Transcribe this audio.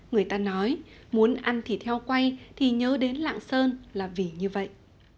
người ta nói muốn ăn thịt heo quay thì nhớ đến lạng sơn là vì như vậy